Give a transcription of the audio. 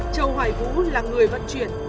châu hoài vũ là người vận chuyển